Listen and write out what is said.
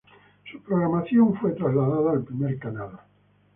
Su programación fue trasladada al primer canal.